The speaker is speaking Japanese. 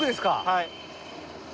はい。